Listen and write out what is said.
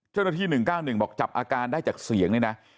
เจ้าหน้าที่๑๙๑บอกจับอาการได้จากเสียงเลยนะ